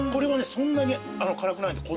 そんなに辛くないです